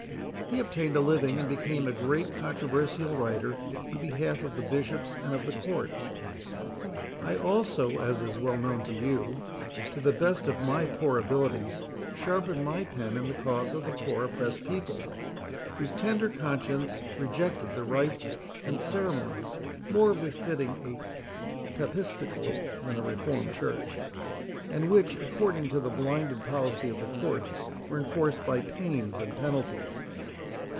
He obtained a living, and became a great controversial writer in behalf of the Bishops and of the Court. I also, as is well known to you, to the best of my poor abilities, sharpened my pen in the cause of the poor oppressed people, whose tender consciences rejected the rites and ceremonies more befitting a papistical than a reformed Church, and which, according to the blinded policy of the Court, were enforced by pains and penalties.